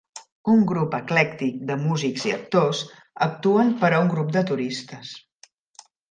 Un grup eclèctic de músics i actors actuen per a un grup de turistes.